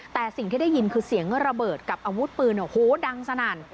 แต่สิ่งที่ได้ยินคือเสียงระเบิดกับอาวุธปืนโอ้โหดังสนั่น